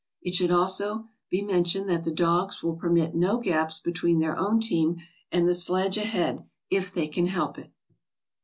It should also be mentioned that the dogs will permit no gaps between their own team and the sledge ahead if they can help it.